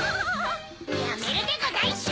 やめるでござんしゅ！